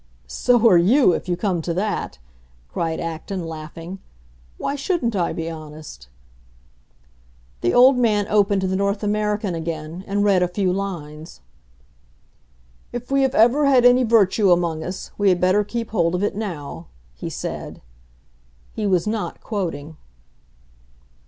"So are you, if you come to that!" cried Acton, laughing. "Why shouldn't I be honest?" The old man opened the North American again, and read a few lines. "If we have ever had any virtue among us, we had better keep hold of it now," he said. He was not quoting.